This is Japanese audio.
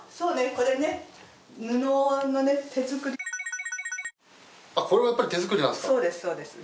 これもやっぱり手作りなんですか。